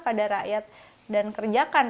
pada rakyat dan kerjakan